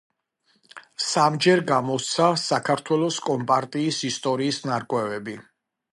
სამჯერ გამოსცა „საქართველოს კომპარტიის ისტორიის ნარკვევები“.